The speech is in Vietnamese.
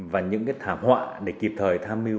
và những thảm họa để kịp thời tham nghiệp